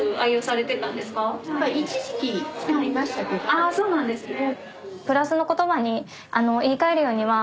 ああそうなんですね。